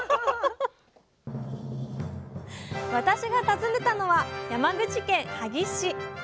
私が訪ねたのは山口県萩市。